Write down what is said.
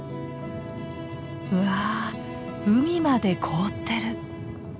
うわ海まで凍ってる！